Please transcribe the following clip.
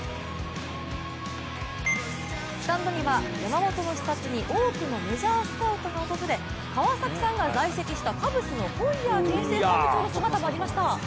スタンドには山本の視察に多くのメジャースカウトが訪れ、川崎さんが在籍したカブスのホイヤー編成本部長の姿もありました。